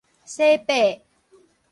洗白